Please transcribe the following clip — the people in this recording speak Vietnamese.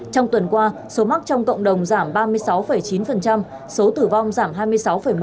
trong tuần qua số mắc trong cộng đồng giảm ba mươi sáu chín số tử vong giảm hai mươi sáu một